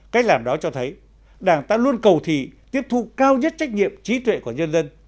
cách làm đó cho thấy đảng ta luôn cầu thị tiếp thu cao nhất trách nhiệm trí tuệ của nhân dân